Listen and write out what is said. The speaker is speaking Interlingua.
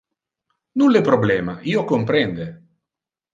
Nulle problema, io comprende.